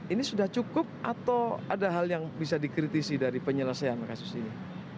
ini sudah cukup atau ada hal yang bisa dikritisi dari penyelesaian kasus ini